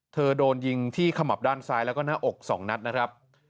โดนยิงที่ขมับด้านซ้ายแล้วก็หน้าอก๒นัดนะครับ